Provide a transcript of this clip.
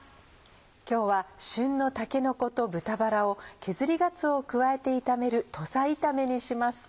今日は旬のたけのこと豚バラを削りがつおを加えて炒める土佐炒めにします。